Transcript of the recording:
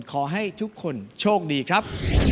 ขอให้ทุกคนโชคดีครับ